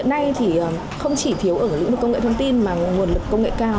ngay thì không chỉ thiếu ở lĩnh vực công nghệ thông tin mà nguồn lực công nghệ cao